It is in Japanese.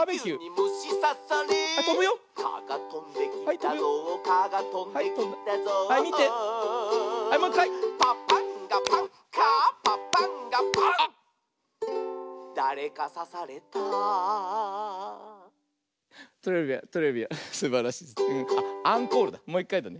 もういっかいだね。